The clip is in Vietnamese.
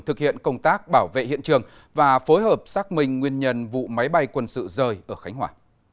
thực hiện công tác bảo vệ hiện trường và phối hợp xác minh nguyên nhân vụ máy bay quân sự rơi ở khánh hòa